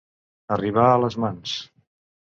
Arribar a les mans.